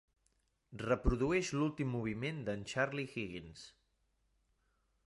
reprodueix l'últim moviment d'en Charlie Higgins